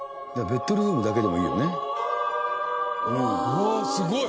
うわすごい！